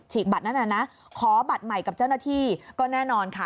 บัตรนั้นน่ะนะขอบัตรใหม่กับเจ้าหน้าที่ก็แน่นอนค่ะ